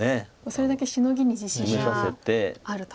それだけシノギに自信があると。